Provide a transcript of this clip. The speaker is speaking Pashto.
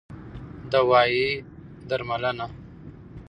دوايي √ درملنه